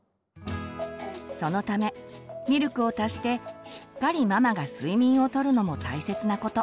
そのためミルクを足してしっかりママが睡眠をとるのも大切なこと。